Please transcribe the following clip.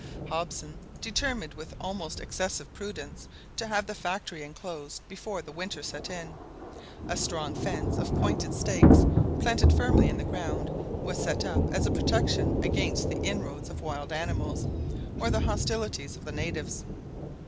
Hobson determined with almost excessive prudence to have the Factory enclosed before the winter set in. A strong fence of pointed stakes, planted firmly in the ground, was set up as a protection against the inroads of wild animals or the hostilities of the natives.